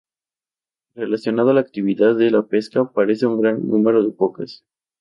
Relacionado a la actividad de la pesca, perece un gran número de focas.